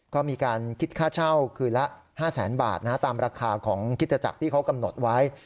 ก็มีการคิดค่าเช่าคืนละ๕แสนบาทตามราคาของคิตจักรที่เขากำหนดไว้